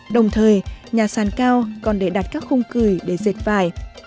đồng thời nhà sàn cao còn để đặt các khung cười để dệt vải